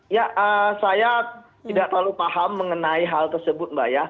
ya saya tidak terlalu paham mengenai hal tersebut mbak ya